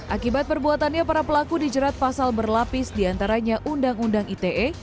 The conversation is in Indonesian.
akibat perbuatannya para pelaku dijerat pasal berlapis diantaranya undang undang ite